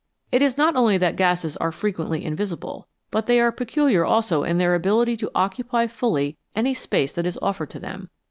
It is not only that gases are frequently invisible, but they are peculiar also in their ability to occupy fully any space that is offered to them.